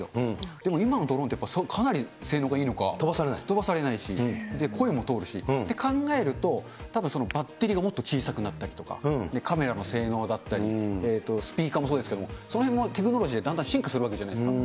でも今のドローンって、やっぱりかなり性能がいいのか飛ばされないし、声も通るし、考えると、たぶんそのバッテリーがもっと小さくなったりとか、カメラの性能だったり、スピーカーもそうですけど、そのへんもテクノロジーでだんだん進化するわけじゃないですか。